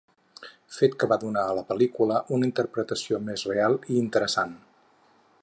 Fet que va donar a la pel·lícula una interpretació més real i interessant.